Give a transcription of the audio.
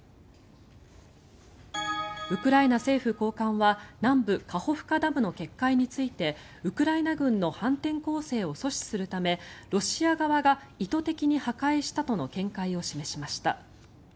ウクライナ政府高官は南部カホフカダムの決壊についてウクライナ軍の反転攻勢を阻止するためロシア側が意図的に破壊したとの見解を示しました。